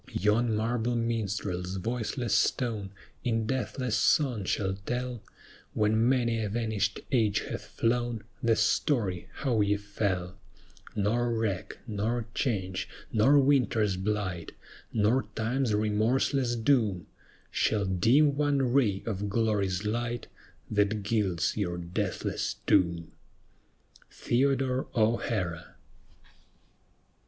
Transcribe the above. Yon marble minstrel's voiceless stone In deathless song shall tell When many a vanished age hath flown, The story how ye fell; Nor wreck, nor change, nor winter's blight, Nor Time's remorseless doom, Shall dim one ray of glory's light That gilds your deathless tomb. THEODORE O'HARA.